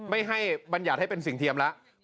ไม่ให้บรรยัติให้เป็นสิ่งเทียมแล้ว